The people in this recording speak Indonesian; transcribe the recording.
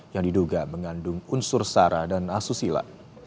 yang diduga mengandung unsur sara dan asusila